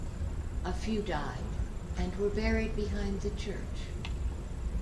A few died and were buried behind the church.